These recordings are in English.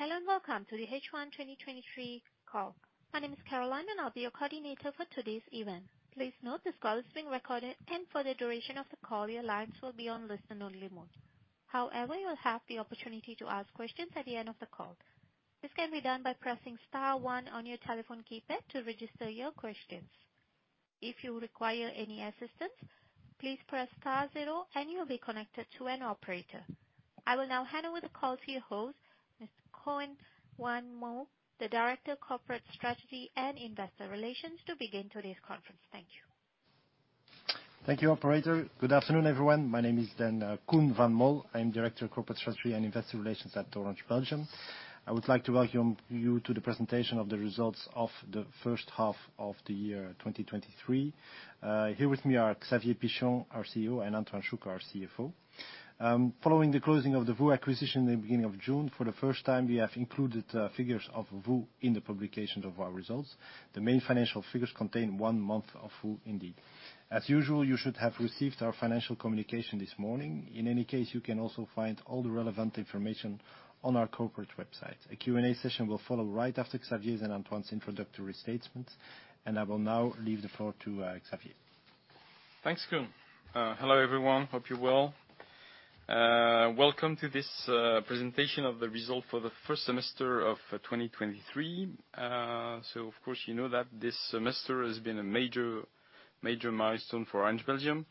Hello, welcome to the H1 2023 call. My name is Caroline, and I'll be your coordinator for today's event. Please note this call is being recorded, and for the duration of the call, your lines will be on listen-only mode. However, you'll have the opportunity to ask questions at the end of the call. This can be done by pressing star one on your telephone keypad to register your questions. If you require any assistance, please press star zero, and you'll be connected to an operator. I will now hand over the call to your host, Mr. Koen Van Mol, the Director of Corporate Strategy and Investor Relations, to begin today's conference. Thank you. Thank you, operator. Good afternoon, everyone. My name is then, Koen Van Mol. I'm Director of Corporate Strategy and Investor Relations at Orange Belgium. I would like to welcome you to the presentation of the results of the first half of 2023. Here with me are Xavier Pichon, our CEO, and Antoine Chouc, our CFO. Following the closing of the VOO acquisition in the beginning of June, for the first time, we have included figures of VOO in the publication of our results. The main financial figures contain one month of VOO, indeed. As usual, you should have received our financial communication this morning. In any case, you can also find all the relevant information on our corporate website. A Q&A session will follow right after Xavier's and Antoine's introductory statements. I will now leave the floor to Xavier. Thanks, Koen. Hello, everyone. Hope you're well. Welcome to this presentation of the result for the first semester of 2023. Of course, you know that this semester has been a major milestone for Orange Belgium.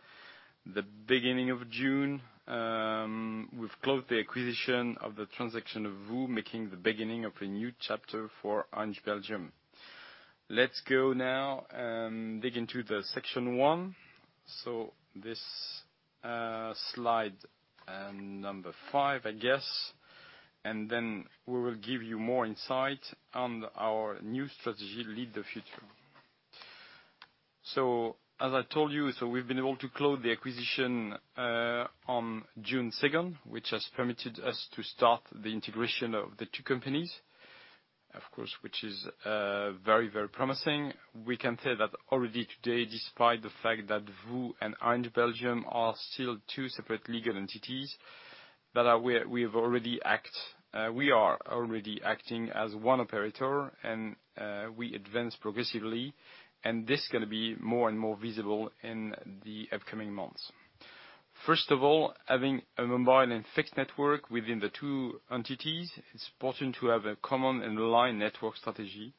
The beginning of June, we've closed the acquisition of the transaction of VOO, marking the beginning of a new chapter for Orange Belgium. Let's go now and dig into the section 1, this slide, number 5, I guess, and we will give you more insight on our new strategy, Lead the Future. As I told you, we've been able to close the acquisition on June 2, which has permitted us to start the integration of the two companies, of course, which is very, very promising. We can say that already today, despite the fact that VOO and Orange Belgium are still two separate legal entities, that we are already acting as one operator, and we advance progressively, and this is gonna be more and more visible in the upcoming months. First of all, having a mobile and fixed network within the two entities, it's important to have a common and aligned network strategy.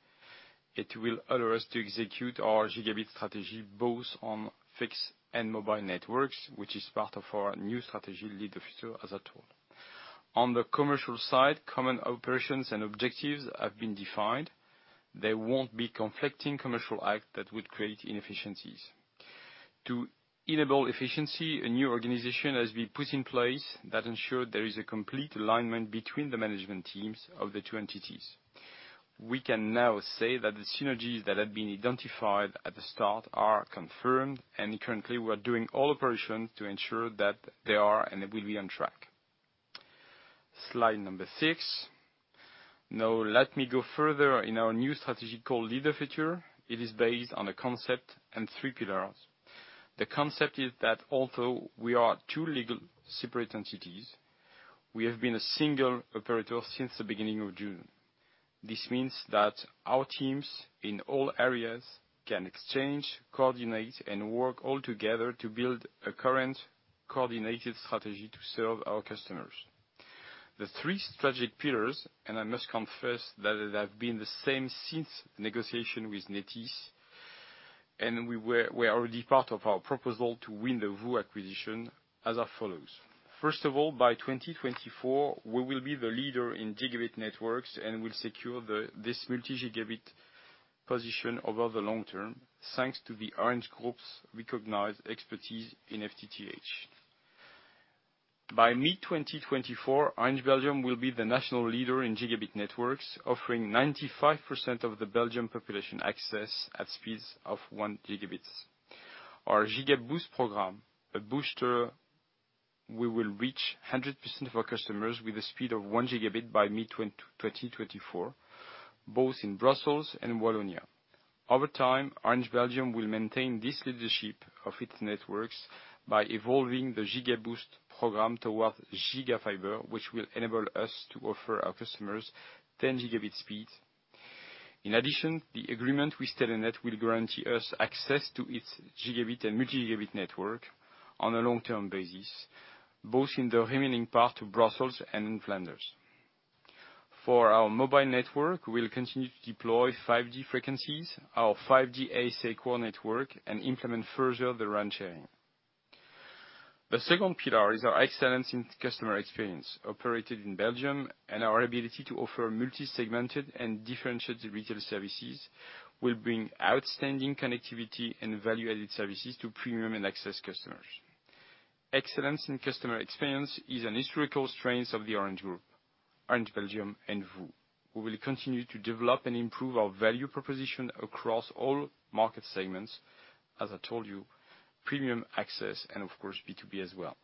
It will allow us to execute our gigabit strategy, both on fixed and mobile networks, which is part of our new strategy, Lead the Future, as a tool. On the commercial side, common operations and objectives have been defined. There won't be conflicting commercial act that would create inefficiencies. To enable efficiency, a new organization has been put in place that ensure there is a complete alignment between the management teams of the two entities. We can now say that the synergies that have been identified at the start are confirmed. Currently, we're doing all operations to ensure that they are and will be on track. Slide number 6. Now let me go further in our new strategy called Lead the Future. It is based on a concept and 3 pillars. The concept is that although we are 2 legal separate entities, we have been a single operator since the beginning of June. This means that our teams in all areas can exchange, coordinate, and work all together to build a current coordinated strategy to serve our customers. The 3 strategic pillars, and I must confess, that they have been the same since negotiation with Nethys, and we were already part of our proposal to win the VOO acquisition, as are follows. By 2024, we will be the leader in gigabit networks and will secure this multi-gigabit position over the long term, thanks to the Orange Group's recognized expertise in FTTH. By mid-2024, Orange Belgium will be the national leader in gigabit networks, offering 95% of the Belgian population access at speeds of 1 gigabits. Our GigaBoost program, a booster, we will reach 100% of our customers with a speed of 1 gigabit by mid-2024, both in Brussels and Wallonia. Over time, Orange Belgium will maintain this leadership of its networks by evolving the GigaBoost program towards GigaFiber, which will enable us to offer our customers 10 gigabit speed. The agreement with Telenet will guarantee us access to its gigabit and multi-gigabit network on a long-term basis, both in the remaining part of Brussels and in Flanders. For our mobile network, we'll continue to deploy 5G frequencies, our 5G SA core network, and implement further the RAN sharing. The second pillar is our excellence in customer experience. Our ability to offer multi-segmented and differentiated retail services, will bring outstanding connectivity and value-added services to premium and access customers. Excellence in customer experience is an historical strength of the Orange Group, Orange Belgium, and VOO. We will continue to develop and improve our value proposition across all market segments, as I told you, premium access, and of course, B2B as well.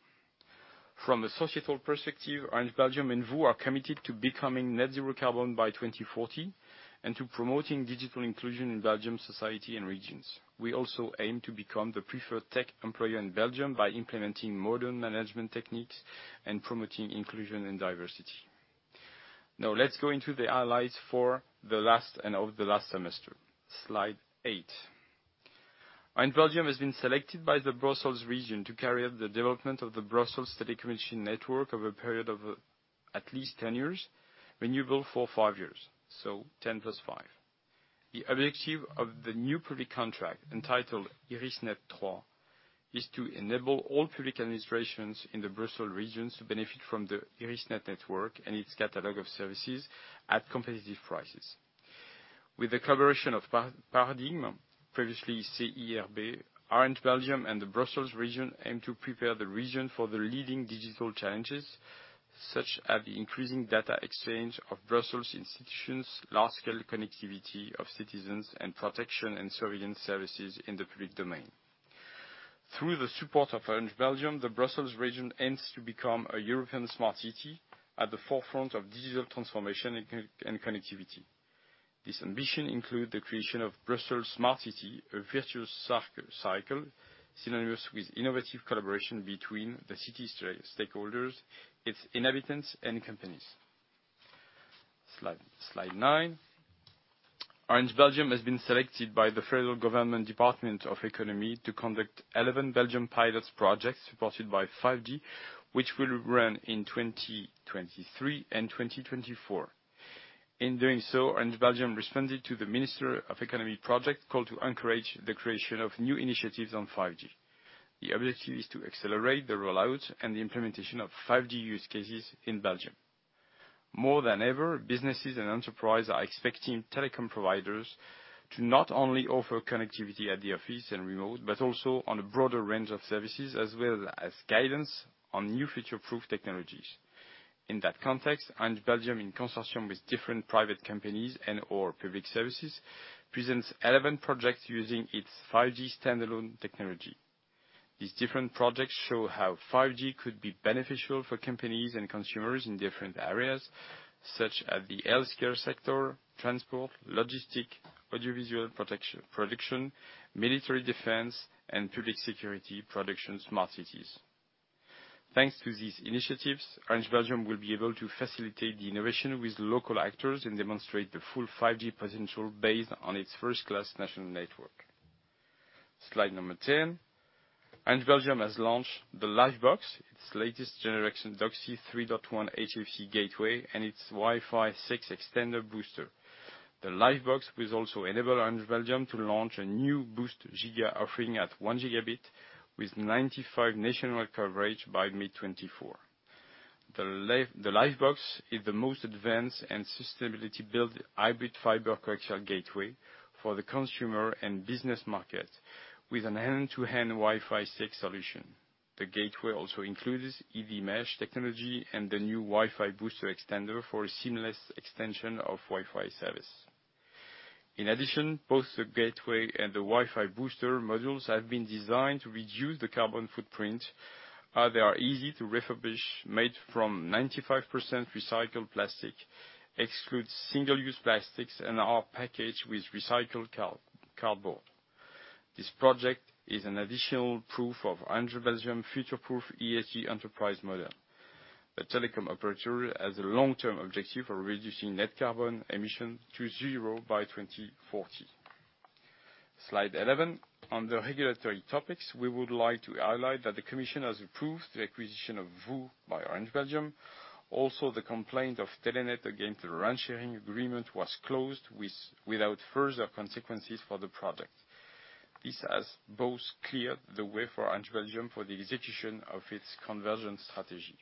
From a societal perspective, Orange Belgium and VOO are committed to becoming net zero carbon by 2040 and to promoting digital inclusion in Belgium society and regions. We also aim to become the preferred tech employer in Belgium by implementing modern management techniques and promoting inclusion and diversity. Let's go into the highlights for the last and of the last semester. Slide 8. Orange Belgium has been selected by the Brussels Region to carry out the development of the Brussels City Commission Network over a period of at least 10 years, renewable for 5 years, so 10 plus 5. The objective of the new public contract, entitled Irisnet3, is to enable all public administrations in the Brussels Regions to benefit from the Irisnet network and its catalog of services at competitive prices. With the collaboration of Paradigm, previously CIRB, Orange Belgium, and the Brussels Region, aim to prepare the region for the leading digital challenges, such as the increasing data exchange of Brussels institutions, large-scale connectivity of citizens, and protection and surveillance services in the public domain. Through the support of Orange Belgium, the Brussels Region aims to become a European Smart City at the forefront of digital transformation and connectivity. This ambition include the creation of Brussels Smart City, a virtuous cycle synonymous with innovative collaboration between the city's stakeholders, its inhabitants, and companies. Slide 9. Orange Belgium has been selected by the federal government Department of Economy to conduct 11 Belgian pilots projects supported by 5G, which will run in 2023 and 2024. In doing so, Orange Belgium responded to the Minister of Economy project call to encourage the creation of new initiatives on 5G. The objective is to accelerate the rollout and the implementation of 5G use cases in Belgium. More than ever, businesses and enterprise are expecting telecom providers to not only offer connectivity at the office and remote, but also on a broader range of services, as well as guidance on new future-proof technologies. In that context, Orange Belgium, in consortium with different private companies and/or public services, presents 11 projects using its 5G standalone technology. These different projects show how 5G could be beneficial for companies and consumers in different areas, such as the healthcare sector, transport, logistic, audiovisual production, military defense, and public security production, smart cities. Thanks to these initiatives, Orange Belgium will be able to facilitate the innovation with local actors and demonstrate the full 5G potential based on its first-class national network. Slide number 10. Orange Belgium has launched the Livebox, its latest generation DOCSIS 3.1 HEVC gateway, and its Wi-Fi 6 extender booster. The Livebox will also enable Orange Belgium to launch a new boost giga offering at 1 gigabit with 95% national coverage by mid-2024. The Livebox is the most advanced and sustainability-built hybrid fiber coaxial gateway for the consumer and business market, with an end-to-end Wi-Fi 6 solution. The gateway also includes EasyMesh technology and the new Wi-Fi booster extender for a seamless extension of Wi-Fi service. In addition, both the gateway and the Wi-Fi booster modules have been designed to reduce the carbon footprint, they are easy to refurbish, made from 95% recycled plastic, excludes single-use plastics, and are packaged with recycled cardboard. This project is an additional proof of Orange Belgium future-proof ESG enterprise model. The telecom operator has a long-term objective for reducing net carbon emission to zero by 2040. Slide 11. On the regulatory topics, we would like to highlight that the commission has approved the acquisition of VOO by Orange Belgium. The complaint of Telenet against the rent-sharing agreement was closed without further consequences for the project. This has both cleared the way for Orange Belgium for the execution of its conversion strategy.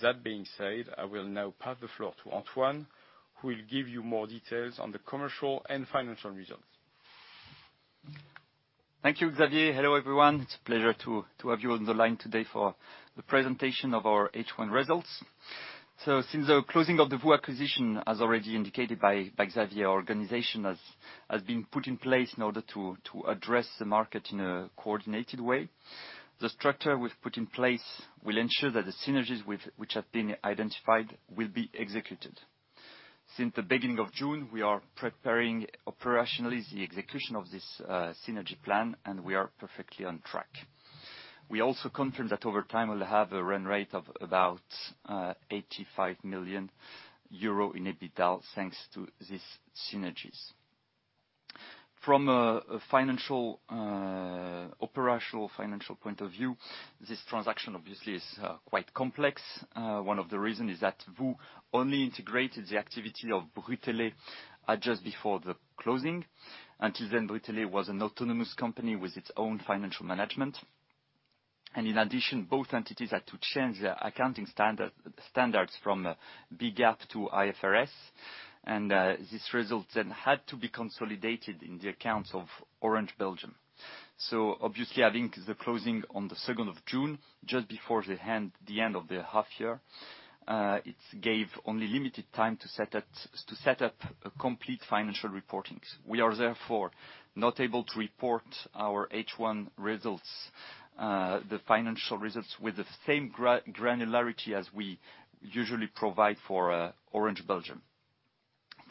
That being said, I will now pass the floor to Antoine, who will give you more details on the commercial and financial results. Thank you, Xavier. Hello, everyone. It's a pleasure to have you on the line today for the presentation of our H1 results. Since the closing of the VOO acquisition, as already indicated by Xavier, our organization has been put in place in order to address the market in a coordinated way. The structure we've put in place will ensure that the synergies which have been identified will be executed. Since the beginning of June, we are preparing operationally the execution of this synergy plan, we are perfectly on track. We also confirm that over time, we'll have a run rate of about 85 million euro in EBITDA, thanks to these synergies. From a financial, operational, financial point of view, this transaction obviously is quite complex. One of the reason is that VOO only integrated the activity of Brutélé just before the closing. Until then, Brutélé was an autonomous company with its own financial management. In addition, both entities had to change their accounting standards from Belgian GAAP to IFRS, and this result then had to be consolidated in the accounts of Orange Belgium. Obviously, I think the closing on the 2nd of June, just before the end of the half year, it gave only limited time to set up a complete financial reportings. We are therefore not able to report our H1 results, the financial results, with the same granularity as we usually provide for Orange Belgium.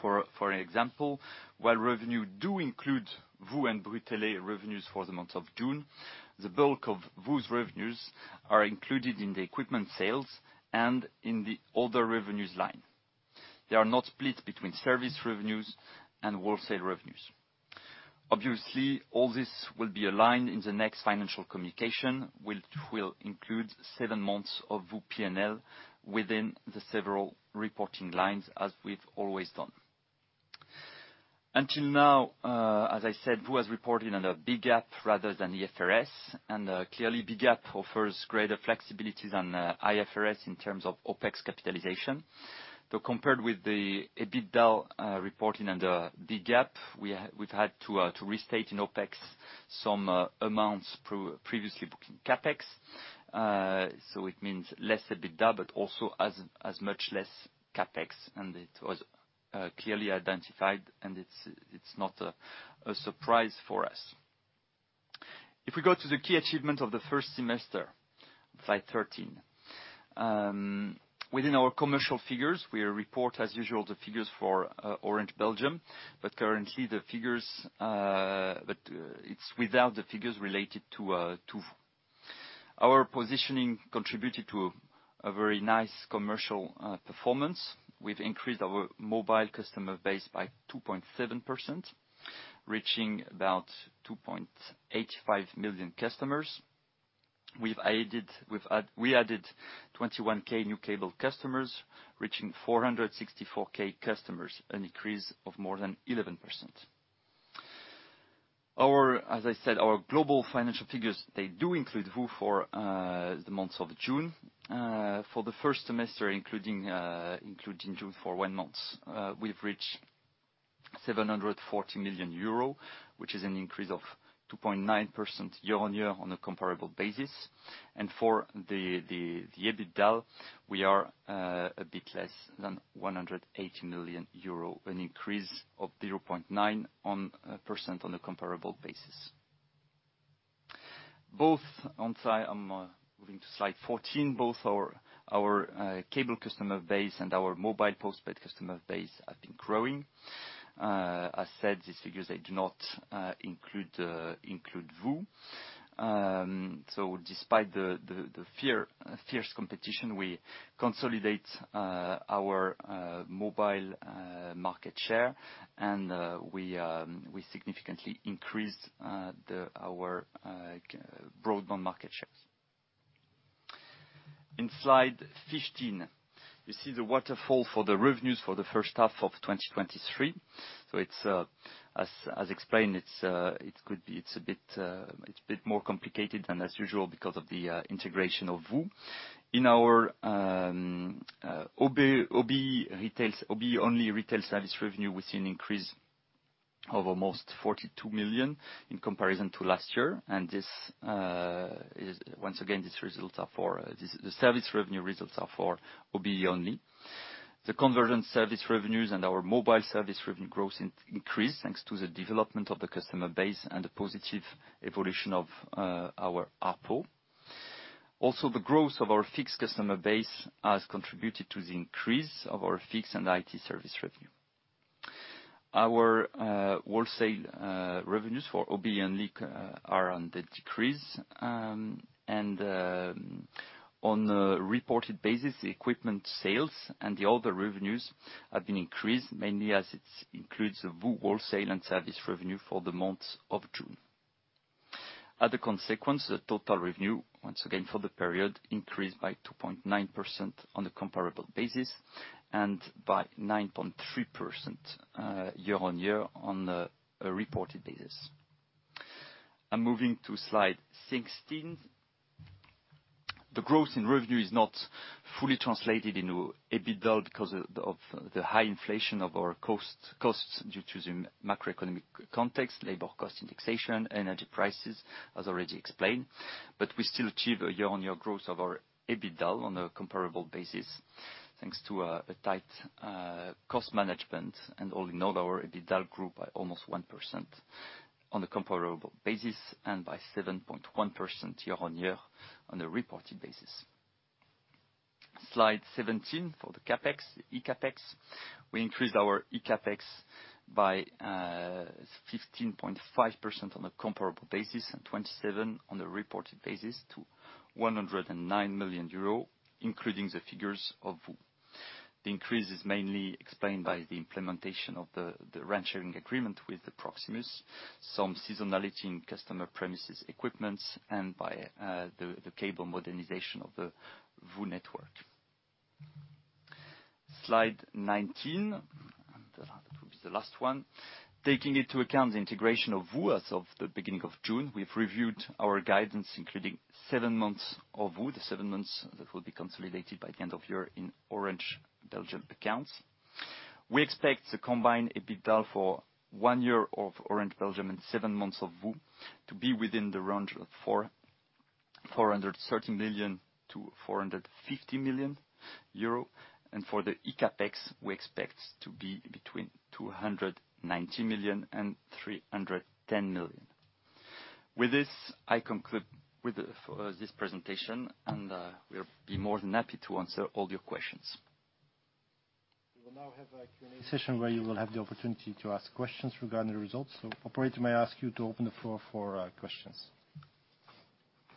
For an example, while revenue do include VOO and Brutélé revenues for the month of June, the bulk of VOO's revenues are included in the equipment sales and in the other revenues line. They are not split between service revenues and wholesale revenues. Obviously, all this will be aligned in the next financial communication, which will include seven months of VOO P&L within the several reporting lines, as we've always done. Until now, as I said, VOO has reported on a Belgian GAAP rather than IFRS, and clearly, Belgian GAAP offers greater flexibility than IFRS in terms of OpEx capitalization. Compared with the EBITDA reporting under the Belgian GAAP, we've had to restate in OpEx some amounts previously booked in CapEx. It means less EBITDA, but also as much less CapEx, and it was clearly identified, and it's not a surprise for us. If we go to the key achievement of the first semester, slide 13. Within our commercial figures, we report, as usual, the figures for Orange Belgium, but currently the figures, it's without the figures related to VOO. Our positioning contributed to a very nice commercial performance. We've increased our mobile customer base by 2.7%, reaching about 2.85 million customers. We've added we added 21K new cable customers, reaching 464K customers, an increase of more than 11%. As I said, our global financial figures, they do include VOO for the months of June. For the first semester, including including June, for one month, we've reached 740 million euro, which is an increase of 2.9% year-on-year on a comparable basis. For the EBITDA, we are a bit less than 180 million euro, an increase of 0.9% on a comparable basis. Both on slide, moving to slide 14. Both our cable customer base and our mobile postpaid customer base have been growing. I said, these figures, they do not include VOO. Despite the fierce competition, we consolidate our mobile market share, and we significantly increase the our broadband market shares. In slide 15, you see the waterfall for the revenues for the first half of 2023. It's as explained, it's, it could be, it's a bit more complicated than as usual because of the integration of VOO. In our OB retails, OB only retail service revenue, we see an increase of almost 42 million in comparison to last year. This is once again, these results are for the service revenue results are for OB only. The conversion service revenues and our mobile service revenue growth increased thanks to the development of the customer base and the positive evolution of our ARPU. The growth of our fixed customer base has contributed to the increase of our fixed and IT service revenue. Our wholesale revenues for OB only are on the decrease, and on a reported basis, the equipment sales and the other revenues have been increased, mainly as it includes the VOO wholesale and service revenue for the month of June. The total revenue, once again for the period, increased by 2.9% on the comparable basis and by 9.3% year-on-year on a reported basis. I'm moving to slide 16. The growth in revenue is not fully translated into EBITDA because of the high inflation of our costs due to the macroeconomic context, labor cost indexation, energy prices, as already explained. We still achieve a year-on-year growth of our EBITDA on a comparable basis, thanks to a tight cost management. All in all, our EBITDA grew by almost 1% on a comparable basis and by 7.1% year-on-year on a reported basis. Slide 17, for the CapEx, eCAPEX. We increased our eCAPEX by 15.5% on a comparable basis and 27% on a reported basis, to 109 million euro, including the figures of VOO. The increase is mainly explained by the implementation of the rent-sharing agreement with Proximus, some seasonality in customer premises equipments, and by the cable modernization of the VOO network. Slide 19, that will be the last one. Taking into account the integration of VOO as of the beginning of June, we've reviewed our guidance, including 7 months of VOO, the 7 months that will be consolidated by the end of year in Orange Belgium accounts. We expect to combine EBITDA for 1 year of Orange Belgium and 7 months of VOO to be within the range of 430 million-450 million euro. For the eCAPEX, we expect to be between 290 million and 310 million. With this, I conclude with for this presentation, and we'll be more than happy to answer all your questions. We will now have a Q&A session, where you will have the opportunity to ask questions regarding the results. Operator, may I ask you to open the floor for questions?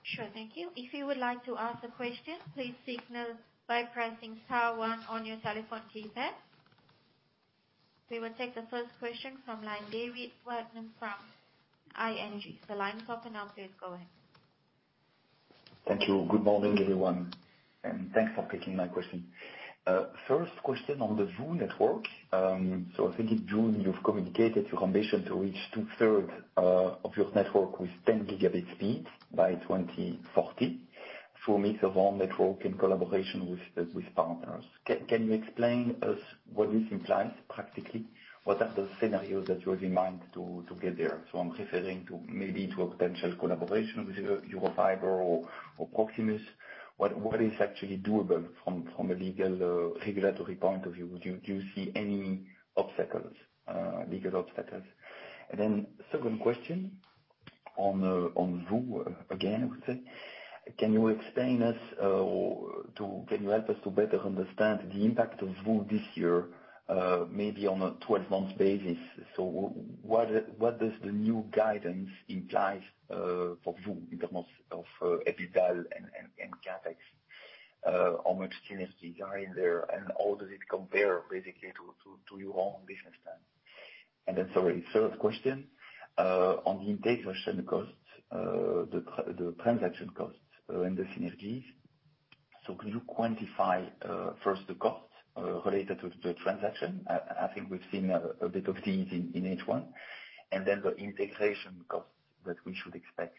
Sure. Thank you. If you would like to ask a question, please signal by pressing star one on your telephone keypad. We will take the first question from line David Wadhwani from ING. The line is open, and please go ahead. Thank you. Good morning, everyone, and thanks for taking my question. First question on the VOO network. I think in June, you've communicated your ambition to reach two-third of your network with 10gigabit speeds by 2040 through a mix of own network and collaboration with partners. Can you explain us what this implies practically? What are the scenarios that you have in mind to get there? I'm referring to maybe to a potential collaboration with Eurofiber or Proximus. What is actually doable from a legal, regulatory point of view? Do you see any obstacles, legal obstacles? Second question on VOO again, I would say. Can you explain us, or Can you help us to better understand the impact of VOO this year, maybe on a 12-month basis? What does the new guidance imply for VOO in terms of EBITDA and CapEx? How much synergies are in there, and how does it compare, basically, to your own business plan? Sorry, third question, on the integration costs, the transaction costs, and the synergies. Can you quantify, first the costs, related to the transaction? I think we've seen a bit of things in H1, and then the integration costs that we should expect.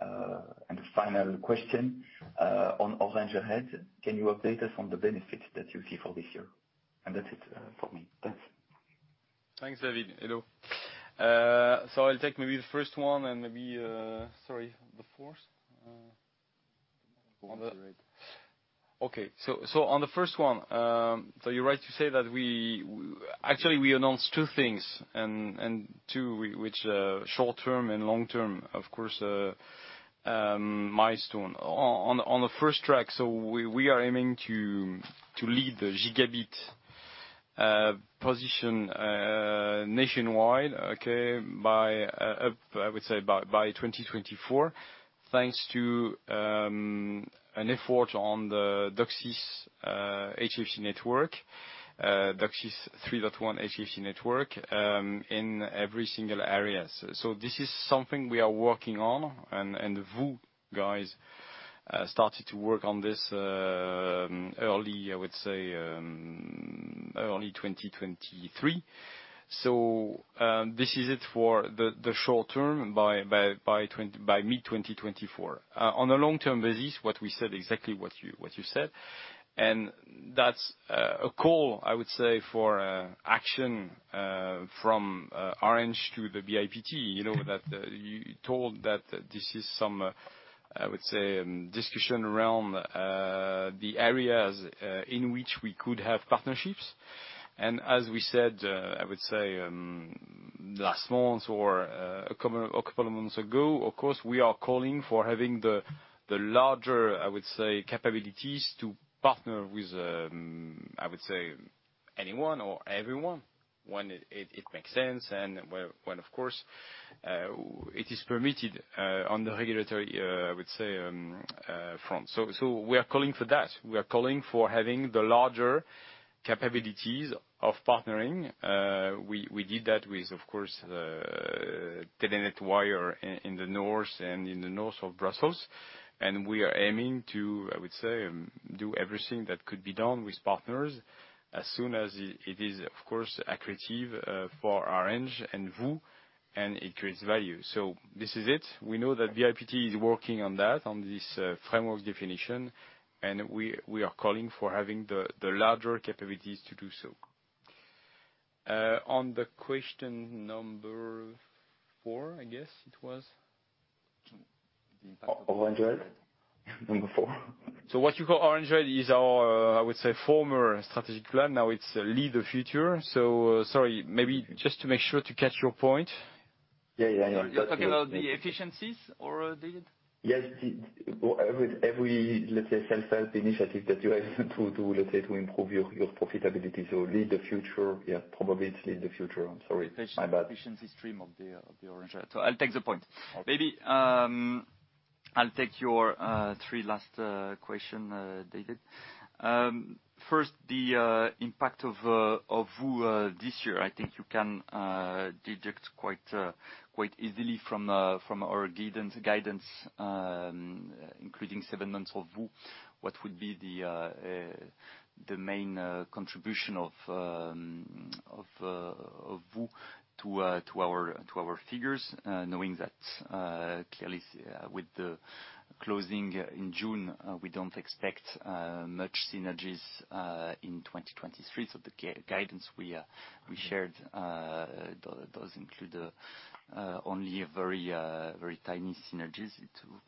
The final question, on Orange Ahead. Can you update us on the benefits that you see for this year? That's it for me. Thanks. Thanks, David. Hello. I'll take maybe the first one and maybe. Sorry, the fourth? On the first one, you're right to say that actually, we announced 2 things, and 2 which, short term and long term, of course, milestone. On the first track, we are aiming to lead the gigabit position nationwide by 2024, thanks to an effort on the DOCSIS HFC network, DOCSIS 3.1 HFC network, in every single areas. This is something we are working on, and VOO guys started to work on this early 2023. This is it for the short term, by mid-2024. On a long-term basis, what we said exactly what you, what you said, and that's a call, I would say, for action from Orange to the BIPT. You know, that you told that this is some, I would say, discussion around the areas in which we could have partnerships. As we said, I would say, last month or a couple of months ago, of course, we are calling for having the larger, I would say, capabilities to partner with, I would say, anyone or everyone, when it makes sense, and when, of course, it is permitted on the regulatory, I would say, front. We are calling for that. We are calling for having the larger capabilities of partnering. We did that with, of course, Telenet Wyre in the North of Brussels. We are aiming to, I would say, do everything that could be done with partners as soon as it is, of course, accretive, for Orange and VOO, and it creates value. This is it. We know that BIPT is working on that, on this, framework definition, and we are calling for having the larger capabilities to do so. On the question number 4, I guess it was? Orange Ahead, number four. What you call Orange Ahead is our, I would say, former strategic plan. Now it's Lead the Future. Sorry, maybe just to make sure to catch your point. Yeah, yeah. You're talking about the efficiencies or, David? Yes, with every, let's say, self-help initiative that you have to, let's say, to improve your profitability. Lead the Future, yeah, probably it's Lead the Future. I'm sorry. My bad. Efficiency stream of the, of the Orange Ahead. I'll take the point. Okay. Maybe, I'll take your 3 last question, David. First, the impact of VOO this year. I think you can deduct quite easily from our guidance, including 7 months of VOO, what would be the main contribution of VOO to our figures? Knowing that clearly, with the closing in June, we don't expect much synergies in 2023. The guidance we shared, those include only a very tiny synergies,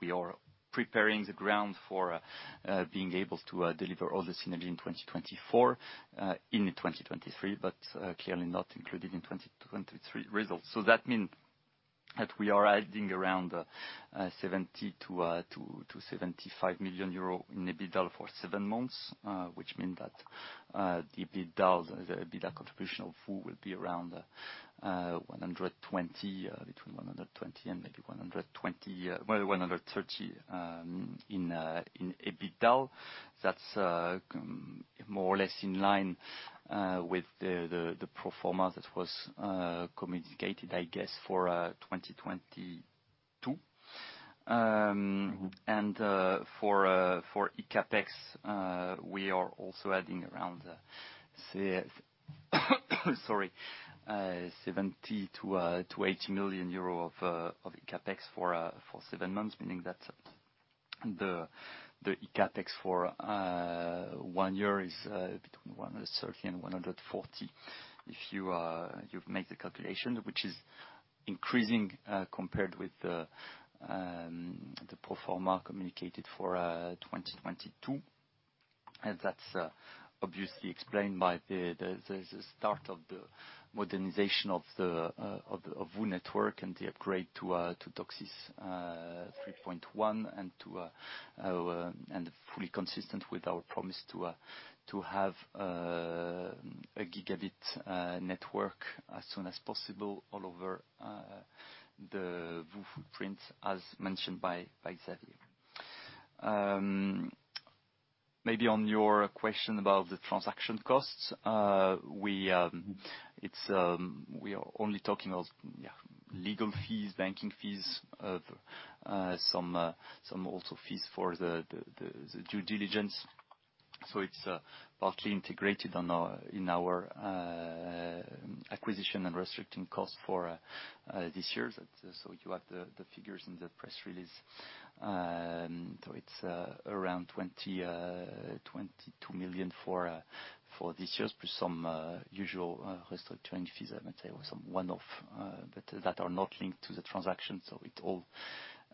we are preparing the ground for being able to deliver all the synergy in 2024, in 2023, clearly not included in 2023 results. That mean that we are adding around 70-75 million euros in EBITDA for 7 months, which mean that the EBITDA contribution of VOO will be around 120, between 120 and maybe 130 in EBITDA. That's more or less in line with the pro forma that was communicated, I guess, for 2022. And, for CAPEX, we are also adding around, sorry, 70 to 80 million of, of CAPEX for, for 7 months, meaning that the, the CAPEX for one year is between 130 and 140. If you make the calculation, which is increasing compared with the pro forma communicated for 2022 and that's obviously explained by the, the, the start of the modernization of the of, of VOO network and the upgrade to DOCSIS, 3.1, and to our -- and fully consistent with our promise to have a gigabit, network as soon as possible all over the VOO footprint, as mentioned by, by Xavier. Maybe on your question about the transaction costs, we are only talking of, yeah, legal fees, banking fees, some also fees for the due diligence. It's partly integrated on our, in our acquisition and restructuring costs for this year. You have the figures in the press release. It's around 22 million for this year, plus some usual restructuring fees, I might say, or some one-off, but that are not linked to the transaction. It all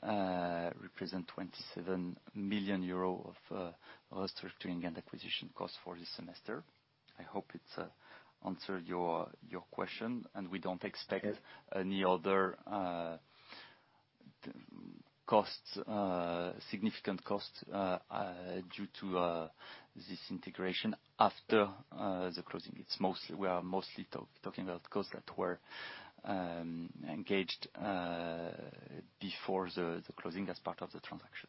represent 27 million euro of restructuring and acquisition costs for this semester. I hope it's answered your question. Yes. Any other costs, significant costs due to this integration after the closing. It's mostly, we are mostly talking about costs that were engaged before the closing as part of the transaction.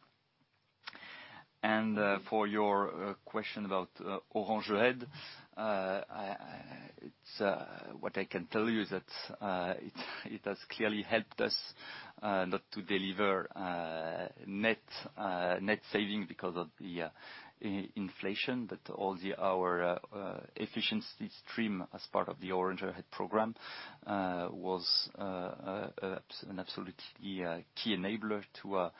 For your question about Orange Ahead, It's what I can tell you is that it has clearly helped us not to deliver net savings because of the inflation, but all our efficiency stream as part of the Orange Ahead program was an absolutely key enabler to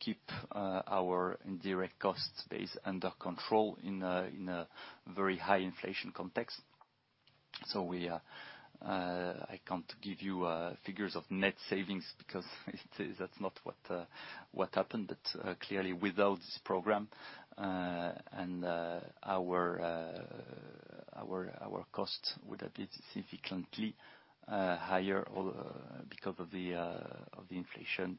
keep our indirect cost base under control in a very high inflation context. We, I can't give you figures of net savings because that's not what happened. Clearly, without this program, our costs would have been significantly higher because of the inflation.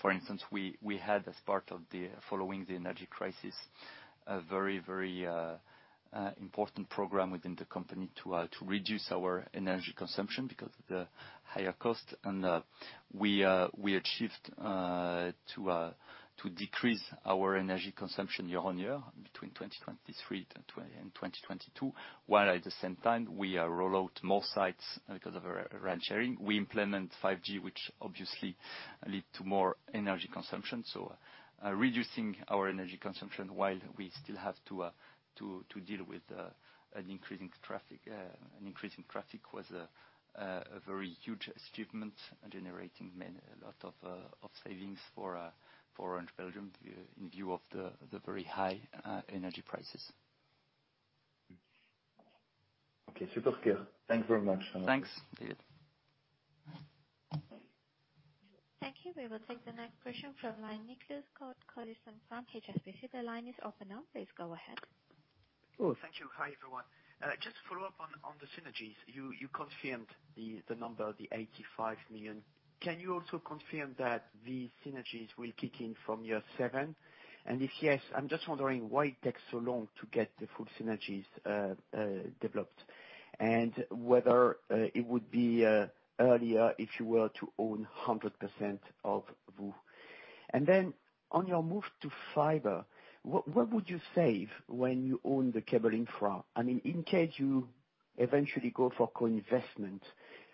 For instance, we had, as part of the following the energy crisis, a very, very important program within the company to reduce our energy consumption because of the higher cost. We achieved to decrease our energy consumption year-on-year between 2023 and 2022, while at the same time, we roll out more sites because of our RAN sharing. We implement 5G, which obviously lead to more energy consumption. Reducing our energy consumption while we still have to deal with an increasing traffic was a very huge achievement and generating a lot of savings for Orange Belgium in view of the very high energy prices. Okay. Super clear. Thanks very much. Thanks, David. Thank you. We will take the next question from line, Nicolas Cote-Colisson from HSBC. The line is open now. Please go ahead. Thank you. Hi, everyone. Just follow up on the synergies. You confirmed the number, the 85 million. Can you also confirm that the synergies will kick in from year 7? If yes, I'm just wondering why it takes so long to get the full synergies developed, and whether it would be earlier if you were to own 100% of VOO. On your move to fiber, what would you save when you own the cable infra? I mean, in case you eventually go for co-investment,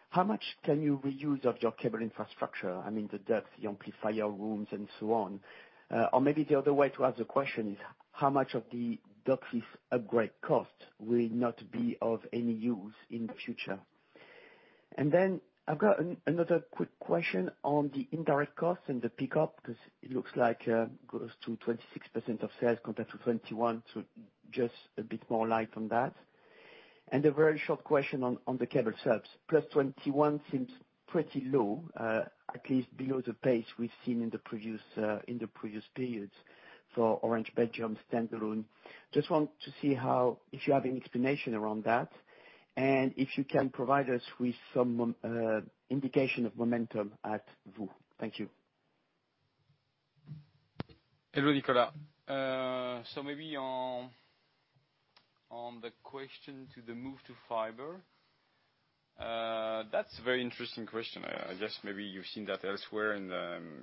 how much can you reuse of your cable infrastructure? I mean, the ducts, the amplifier rooms, and so on. Or maybe the other way to ask the question is: How much of the DOCSIS upgrade cost will not be of any use in the future? I've got another quick question on the indirect costs and the pickup, because it looks like it goes to 26% of sales compared to 21%. Just a bit more light on that. A very short question on the cable subs. Plus 21 seems pretty low, at least below the pace we've seen in the previous, in the previous periods for Orange Belgium standalone. Just want to see if you have any explanation around that, and if you can provide us with some indication of momentum at VOO. Thank you. Hello, Nicolas. Maybe on the question to the move to fiber, that's a very interesting question. I guess maybe you've seen that elsewhere in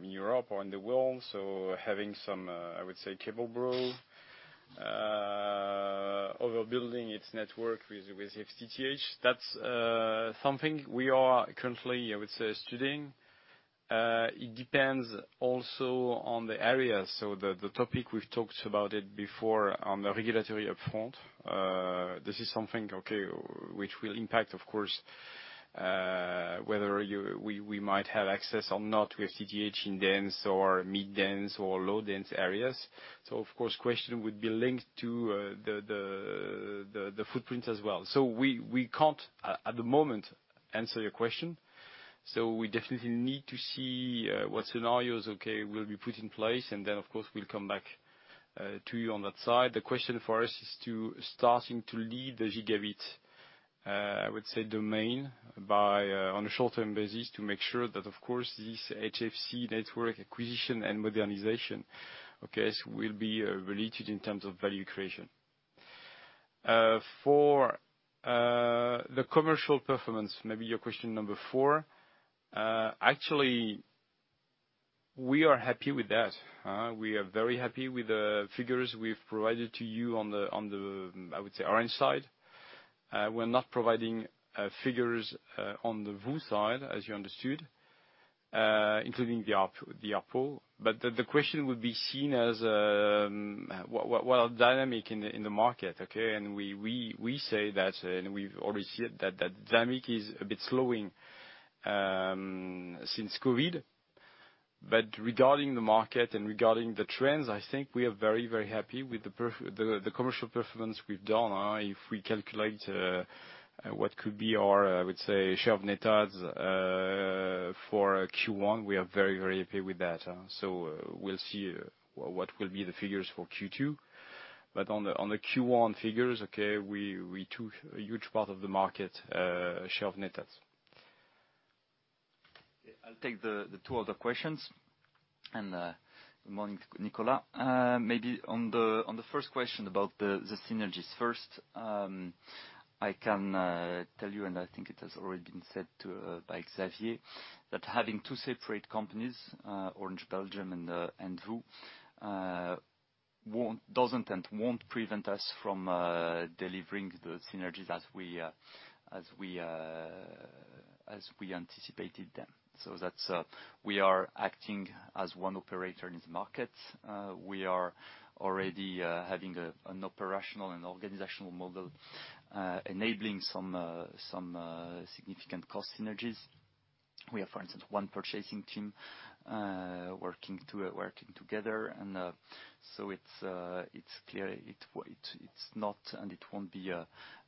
Europe or in the world. Having some, I would say, cable overbuilding its network with FTTH, that's something we are currently, I would say, studying. It depends also on the area. The topic, we've talked about it before on the regulatory upfront. This is something, okay, which will impact, of course, whether we might have access or not with FTTH in dense or mid-dense or low-dense areas. Of course, question would be linked to the footprint as well. We can't at the moment answer your question. We definitely need to see what scenarios will be put in place. Of course, we'll come back to you on that side. The question for us is to starting to lead the gigabit, I would say domain, by on a short-term basis, to make sure that, of course, this HFC network acquisition and modernization will be related in terms of value creation. For the commercial performance, maybe your question number four, actually, we are happy with that. We are very happy with the figures we've provided to you on the, I would say, Orange side. We're not providing figures on the VOO side, as you understood, including the ARPU. The question would be seen as, well, dynamic in the market, okay. We say that, and we've already seen it, that dynamic is a bit slowing since COVID. Regarding the market and regarding the trends, I think we are very, very happy with the commercial performance we've done. If we calculate what could be our, I would say, share of net adds for Q1, we are very, very happy with that, so we'll see what will be the figures for Q2. On the Q1 figures, okay, we took a huge part of the market share of net adds. I'll take the two other questions. Good morning, Nicola. Maybe on the first question about the synergies first, I can tell you, and I think it has already been said by Xavier, that having two separate companies, Orange Belgium and VOO, doesn't and won't prevent us from delivering the synergies as we anticipated them. That's, we are acting as one operator in this market. We are already having an operational and organizational model enabling some significant cost synergies. We have, for instance, one purchasing team working together, and so it's clear. It's not, and it won't be,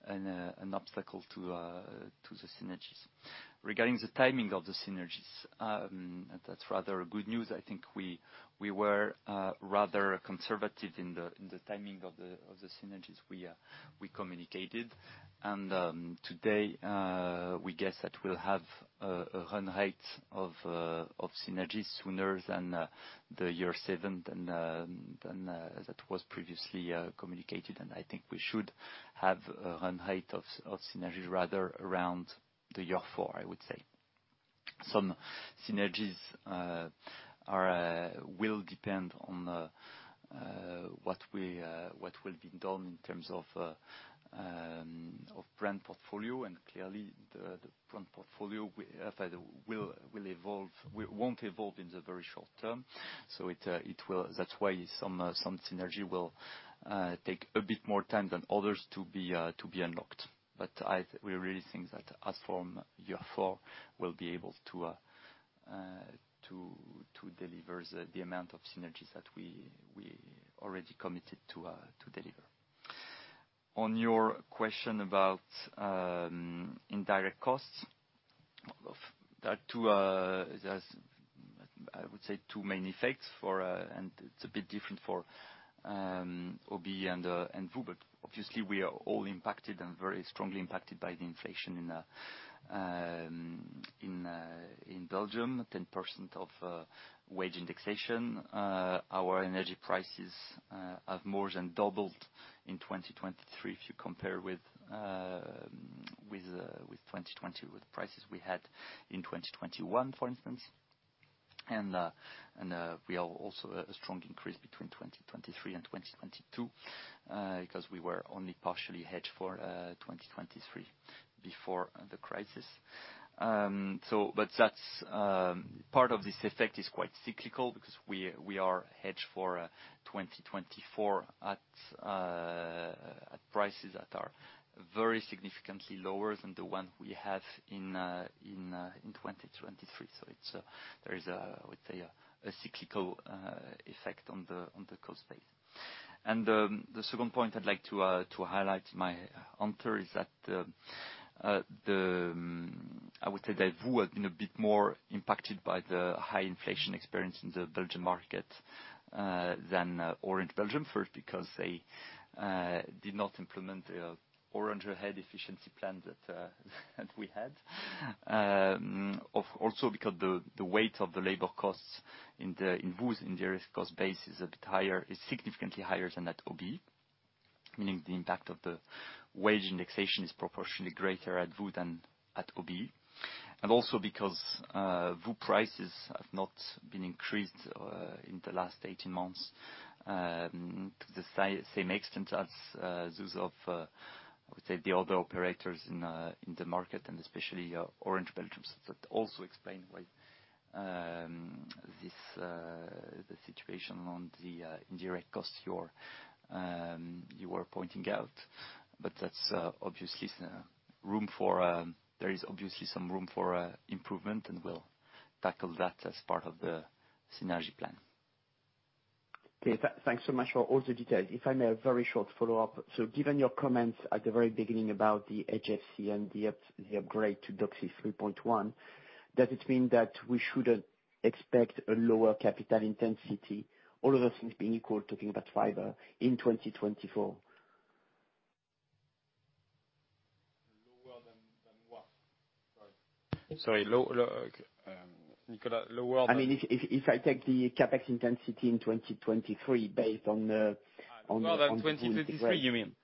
an obstacle to the synergies. Regarding the timing of the synergies, that's rather good news. I think we were rather conservative in the timing of the synergies we communicated. Today, we guess that we'll have a run rate of synergies sooner than year seven than that was previously communicated. I think we should have a run rate of synergies rather around year four, I would say. Some synergies will depend on what we what will be done in terms of brand portfolio, and clearly, the brand portfolio we will evolve. We won't evolve in the very short term. That's why some synergy will take a bit more time than others to be unlocked. We really think that as from year four, we'll be able to deliver the amount of synergies that we already committed to deliver. On your question about indirect costs, there are two, I would say, two main effects for, and it's a bit different for OB and VOO, but obviously, we are all impacted, and very strongly impacted by the inflation in Belgium, 10% of wage indexation. Our energy prices have more than doubled in 2023 if you compare with prices we had in 2021, for instance. We have also a strong increase between 2023 and 2022 because we were only partially hedged for 2023 before the crisis. But that's part of this effect is quite cyclical because we are hedged for 2024 at prices that are very significantly lower than the one we have in 2023, so there is a, I would say, a cyclical effect on the cost base. The second point I'd like to highlight in my answer is that I would say that VOO has been a bit more impacted by the high inflation experience in the Belgian market than Orange Belgium. First, because they did not implement the Orange overhead efficiency plan that we had. Also because the weight of the labor costs in VOO's indirect cost base is a bit higher, is significantly higher than at OB. Meaning the impact of the wage indexation is proportionally greater at VOO than at OB. Also because VOO prices have not been increased in the last 18 months to the same extent as those of I would say, the other operators in the market, and especially Orange Belgium. That also explain why the situation on the indirect costs you were pointing out. That's obviously, there is obviously some room for improvement, and we'll tackle that as part of the synergy plan. Okay. Thanks so much for all the details. If I may, a very short follow-up. Given your comments at the very beginning about the HFC and the upgrade to DOCSIS 3.1, does it mean that we shouldn't expect a lower capital intensity, all other things being equal, talking about fiber in 2024? Lower than what? Sorry, Nicola, lower than I mean, if I take the CapEx intensity in 2023 based on the- In 2023, you mean?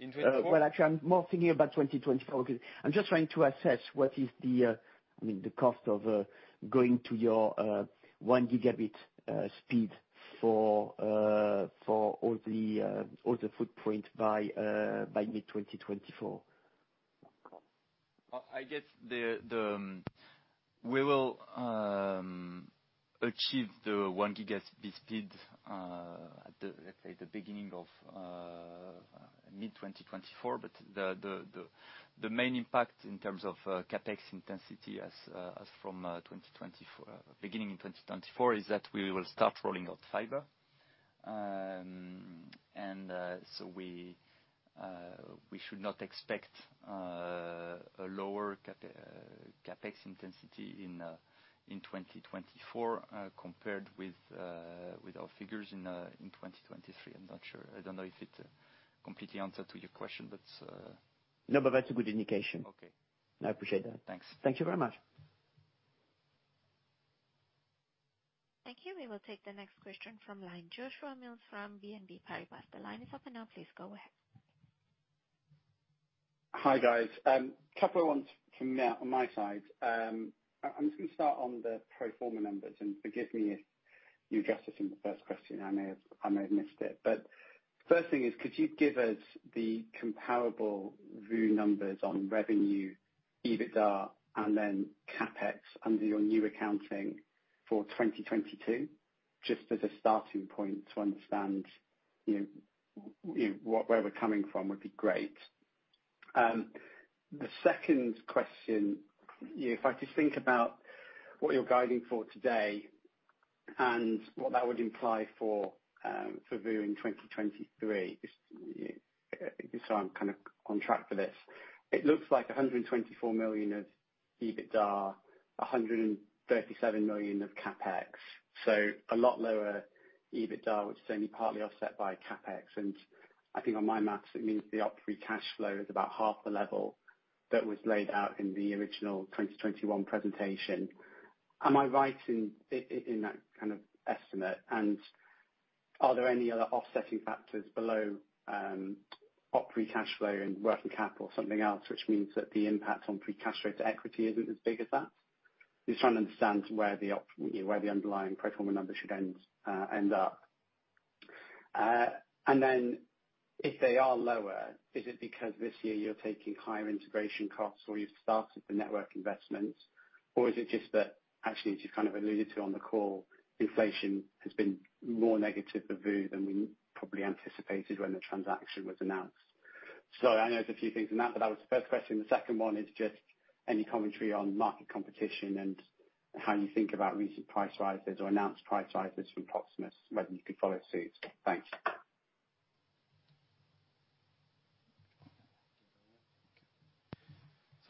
In 2024? Well, actually, I'm more thinking about 2024, because I'm just trying to assess what is the, I mean, the cost of, going to your, 1 gigabit, speed for all the, all the footprint by mid-2024. I guess the we will achieve the one gigabit speed at the, let's say, the beginning of mid-2024. The main impact in terms of CapEx intensity as from 2024, beginning in 2024, is that we will start rolling out fiber. We should not expect a lower CapEx intensity in 2024 compared with our figures in 2023. I'm not sure. I don't know if it completely answer to your question. No, that's a good indication. Okay. I appreciate that. Thanks. Thank you very much. Thank you. We will take the next question from line. Joshua Mills from BNP Paribas. The line is open now, please go ahead. Hi, guys. Couple of ones from there on my side. I'm just gonna start on the pro forma numbers. Forgive me if you addressed this in the first question, I may have missed it. First thing is, could you give us the comparable VOO numbers on revenue, EBITDA, and then CapEx under your new accounting for 2022? Just as a starting point to understand, you know, what, where we're coming from would be great. The second question, if I just think about what you're guiding for today, what that would imply for VOO in 2023, just so I'm kind of on track for this. It looks like 124 million of EBITDA, 137 million of CapEx, a lot lower EBITDA, which is only partly offset by CapEx. I think on my math, it means the operating cash flow is about half the level that was laid out in the original 2021 presentation. Am I right in that kind of estimate? Are there any other offsetting factors below operating cash flow and working capital or something else, which means that the impact on free cash rate to equity isn't as big as that? Just trying to understand where the you know, where the underlying pro forma numbers should end up. Then, if they are lower, is it because this year you're taking higher integration costs, or you've started the network investments? Or is it just that, actually, you just kind of alluded to on the call, inflation has been more negative for VOO than we probably anticipated when the transaction was announced? I know there's a few things in that, but that was the first question. The second one is just any commentary on market competition and how you think about recent price rises or announced price rises from Proximus, whether you could follow suit. Thanks.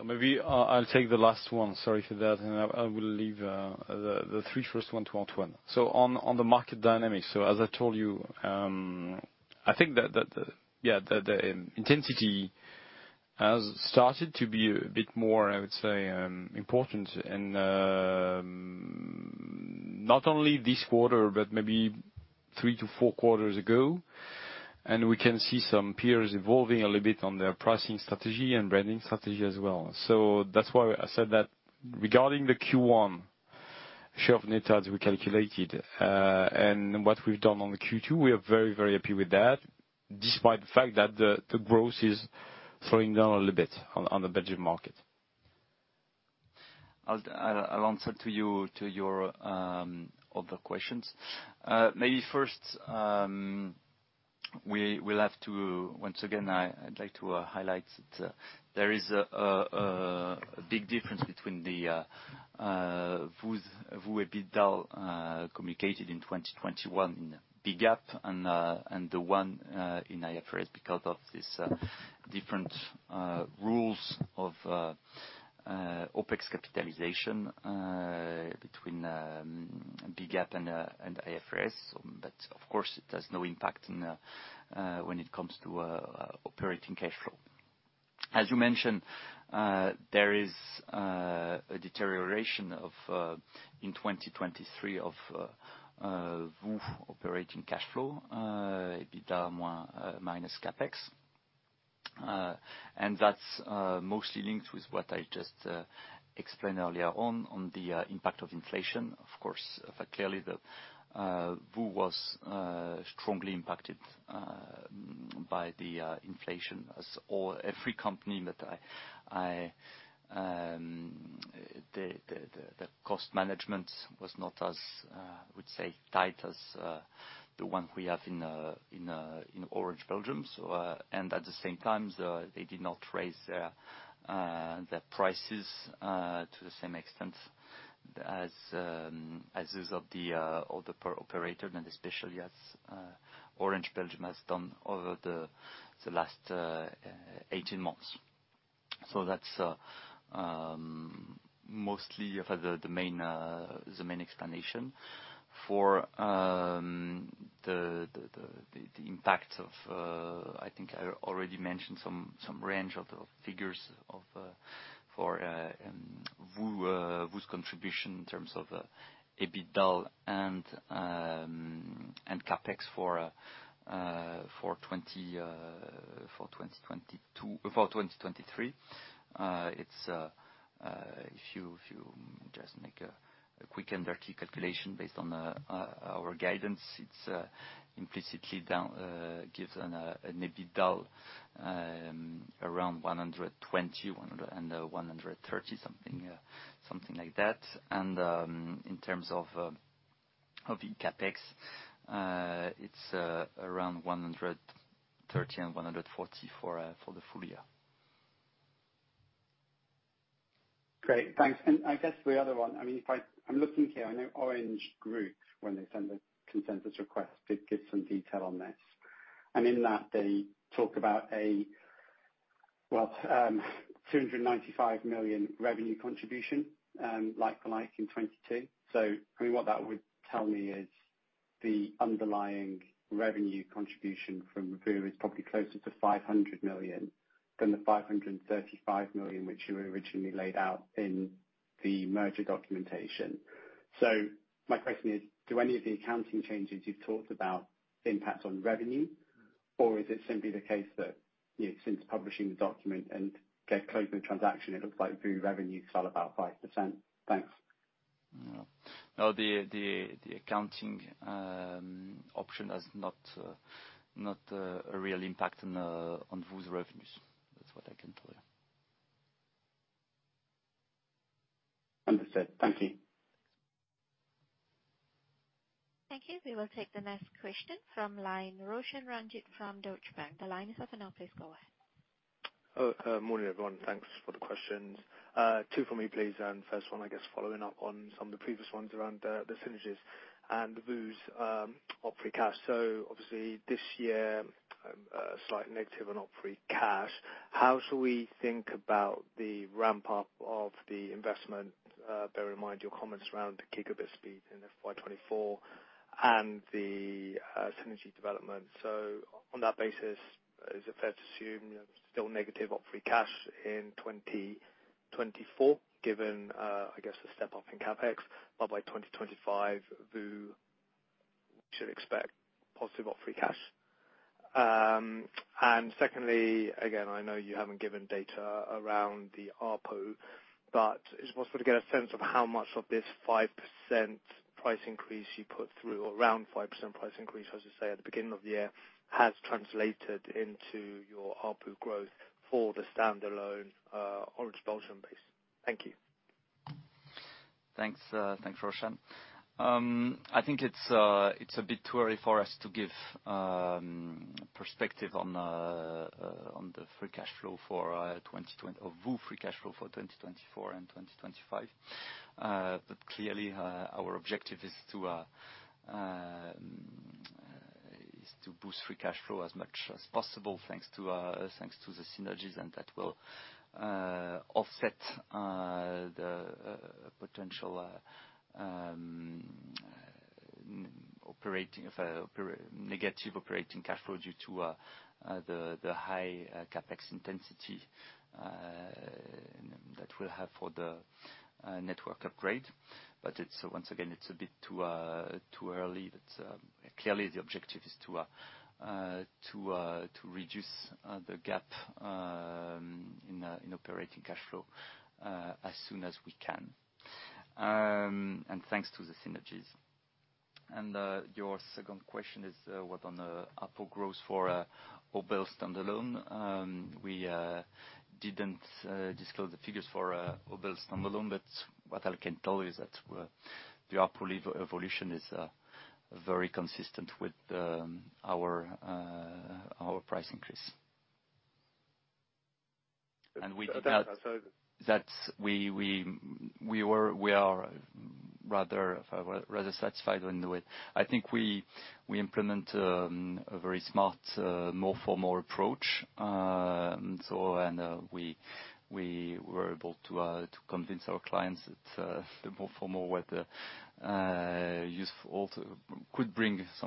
Maybe I'll take the last one. Sorry for that, I will leave the three first one to Antoine. On the market dynamics, as I told you, I think that the intensity has started to be a bit more, I would say, important in not only this quarter, but maybe 3 to 4 quarters ago. We can see some peers evolving a little bit on their pricing strategy and branding strategy as well. That's why I said that regarding the Q1 share of net adds we calculated, and what we've done on the Q2, we are very, very happy with that, despite the fact that the growth is slowing down a little bit on the Belgian market. I'll answer to you, to your other questions. Maybe first. We will have to, once again, I'd like to highlight that there is a big difference between the VOO EBITDA communicated in 2021 in the GAAP and the one in IFRS, because of this different rules of OpEx capitalization between BGAAP and IFRS. Of course it has no impact when it comes to operating cash flow. As you mentioned, there is a deterioration in 2023 of VOO operating cash flow, EBITDA minus CapEx. That's mostly linked with what I just explained earlier on the impact of inflation. Of course, clearly the VOO was strongly impacted by the inflation as every company that I, the cost management was not as I would say, tight as the one we have in Orange Belgium. At the same time, they did not raise their prices to the same extent as is of the other per operator, and especially as Orange Belgium has done over the last 18 months. That's mostly for the main explanation for the impact of I think I already mentioned some range of the figures for VOO's contribution in terms of EBITDA and CapEx for 2022 before 2023. It's if you just make a quick and dirty calculation based on our guidance, it's implicitly down, gives an EBITDA around 120 million, and 130 million something like that. In terms of CapEx, it's around 130 million and 140 million for the full year. Great, thanks. I guess the other one, I mean, if I'm looking here, I know Orange Group, when they sent the consensus request, did give some detail on this. In that, they talk about a, well, 295 million revenue contribution, like for like, in 2022. I mean, what that would tell me is the underlying revenue contribution from VOO is probably closer to 500 million than the 535 million, which you originally laid out in the merger documentation. My question is, do any of the accounting changes you've talked about impact on revenue? Or is it simply the case that, you know, since publishing the document and closing the transaction, it looks like VOO revenue fell about 5%. Thanks. No. No, the accounting option has not a real impact on VOO's revenues. That's what I can tell you. Understood. Thank you. Thank you. We will take the next question from line, Roshan Ranjit from Deutsche Bank. The line is open now, please go ahead. Morning, everyone. Thanks for the questions. Two for me, please. First one, I guess, following up on some of the previous ones around the synergies and VOO's OpEx cash. Obviously this year, slightly negative on OpEx cash. How should we think about the ramp up of the investment? Bear in mind your comments around the gigabit speed in FY 2024 and the synergy development. On that basis, is it fair to assume still negative OpEx cash in 2024, given I guess the step up in CapEx, but by 2025, VOO should expect positive OpEx cash? Secondly, again, I know you haven't given data around the ARPU, but I just wanted to get a sense of how much of this 5% price increase you put through, around 5% price increase, as you say at the beginning of the year, has translated into your ARPU growth for the standalone, Orange Belgium base. Thank you. Thanks. Thanks, Roshan. I think it's a bit too early for us to give perspective on the free cash flow for VOO free cash flow for 2024 and 2025. Clearly, our objective is to boost free cash flow as much as possible, thanks to the synergies, and that will offset the potential operating negative operating cash flow due to the high CapEx intensity that we'll have for the network upgrade. It's, once again, it's a bit too early. Clearly the objective is to reduce the gap in operating cash flow as soon as we can and thanks to the synergies. Your second question is what on the ARPU growth for Obel standalone? We didn't disclose the figures for Obel standalone, but what I can tell you is that the ARPU evolution is very consistent with our price increase. We did that's we are rather satisfied with the way. I think we implement a very smart more for more approach. We were able to convince our clients that the more for more, where the useful to could bring a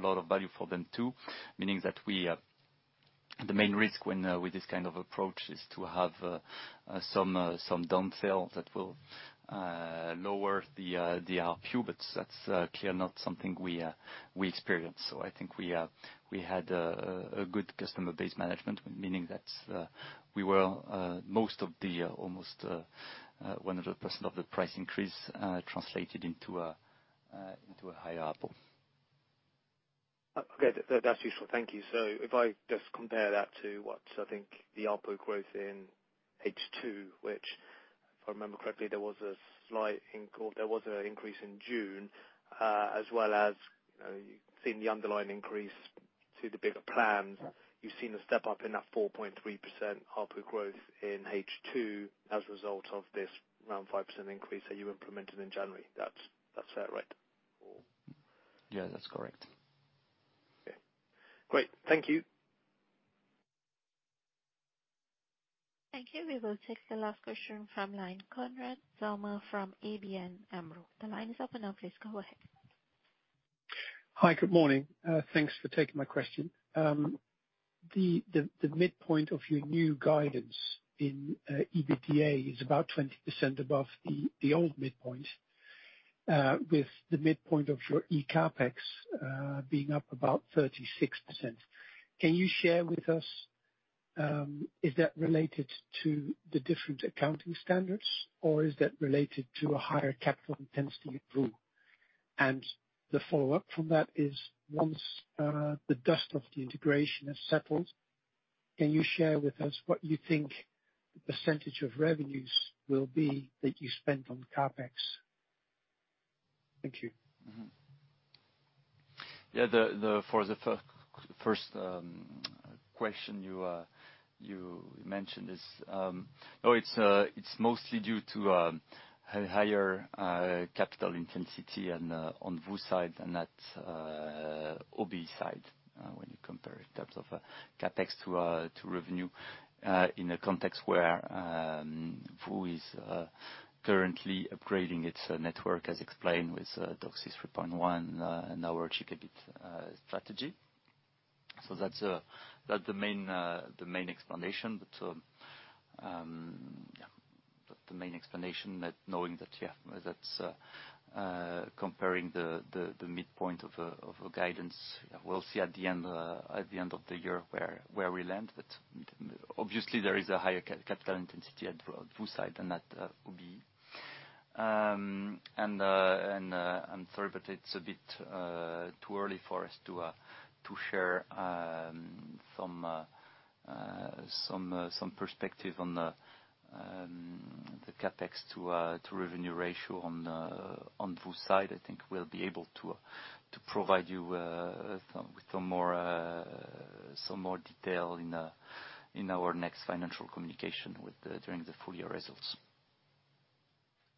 lot of value for them, too. Meaning that the main risk with this kind of approach is to have some down fail that will lower the ARPU, but that's clear not something we experience. I think we had a good customer base management, meaning that we were most of the almost 100% of the price increase translated into a higher ARPU. That's useful. Thank you. If I just compare that to what I think the ARPU growth in H2, which, if I remember correctly, there was an increase in June, as well as, you've seen the underlying increase to the bigger plans. You've seen a step-up in that 4.3% ARPU growth in H2 as a result of this around 5% increase that you implemented in January. That's right? Yeah, that's correct. Okay, great. Thank you. Thank you. We will take the last question from line, Konrad Zomer from ABN AMRO. The line is open now. Please go ahead. Hi, good morning. Thanks for taking my question. The midpoint of your new guidance in EBITDA is about 20% above the old midpoint, with the midpoint of your eCAPEX being up about 36%. Can you share with us, is that related to the different accounting standards, or is that related to a higher capital intensity improvement? The follow-up from that is, once the dust of the integration has settled, can you share with us what you think the percentage of revenues will be that you spent on CAPEX? Thank you. The first question you mentioned is, oh, it's mostly due to higher capital intensity and on VOO side than that, Obi side, when you compare in terms of CapEx to revenue. In a context where VOO is currently upgrading its network, as explained, with DOCSIS 3.1 and our gigabit strategy. That's the main explanation. The main explanation that knowing that's comparing the midpoint of a guidance, we'll see at the end at the end of the year where we land. Obviously, there is a higher capital intensity at VOO side than at UBI. I'm sorry, but it's a bit too early for us to share some perspective on the CAPEX to revenue ratio on VOO side. I think we'll be able to provide you some with some more detail in our next financial communication during the full year results.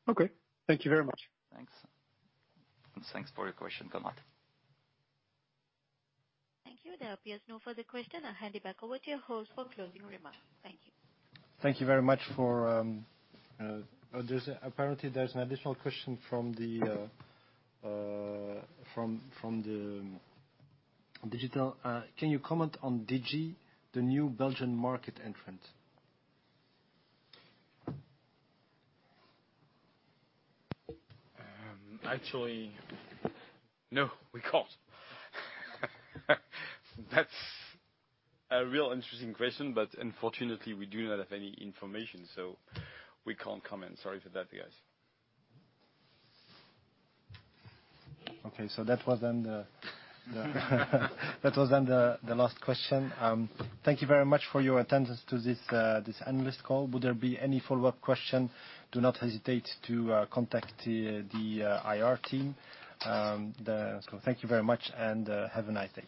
Okay. Thank you very much. Thanks. Thanks for your question, Konrad. Thank you. There appears no further question. I'll hand it back over to your host for closing remarks. Thank you. Thank you very much. Oh, there's apparently there's an additional question from the digital. Can you comment on Digi, the new Belgian market entrant? actually, no, we can't. That's a real interesting question, but unfortunately, we do not have any information, so we can't comment. Sorry for that, guys. Okay. That was then the last question. Thank you very much for your attendance to this Analyst call. Would there be any follow-up question, do not hesitate to contact the IR team. Thank you very much and have a nice day.